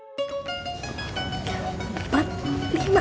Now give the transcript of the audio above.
tiga empat lima